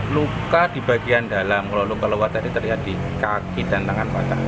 luka di bagian dalam lula luka luwa tadi terlihat di kaki dan tangan patah